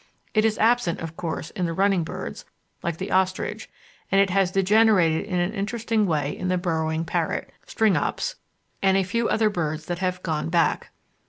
It is absent, of course, in the Running Birds, like the ostrich, and it has degenerated in an interesting way in the burrowing parrot (Stringops) and a few other birds that have "gone back."